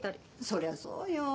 そりゃそうよ。